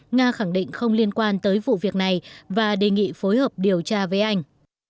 nga khẳng định không liên quan tới vụ việc này và đề nghị phối hợp điều tra với anh